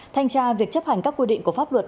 thanh tra việc chấp hành các quy định của pháp luật